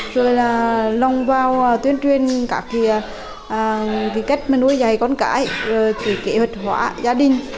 rồi là lồng vào tuyên truyền các kỹ kết nuôi dạy con cái kỹ thuật hóa gia đình